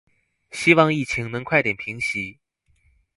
希望疫情能快點平息